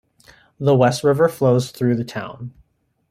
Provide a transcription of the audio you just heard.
The West River flows through the town.